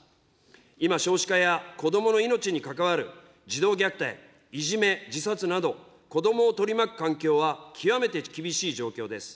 今、少子化や子どもの命に関わる児童虐待、いじめ、自殺など、子どもを取り巻く環境は極めて厳しい状況です。